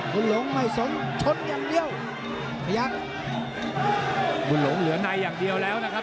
คุณหลงไม่สนชนอย่างเดียวพยักษ์บุญหลงเหลือในอย่างเดียวแล้วนะครับ